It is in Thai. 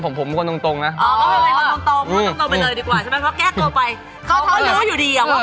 มันดู